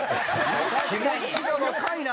気持ちが若いな！